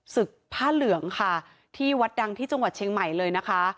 ผ้าเหลืองค่ะที่วัดดังที่จังหวัดเชียงใหม่เลยนะคะ